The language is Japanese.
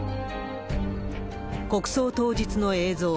国葬当日の映像。